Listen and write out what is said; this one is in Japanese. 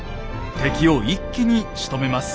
敵を一気にしとめます。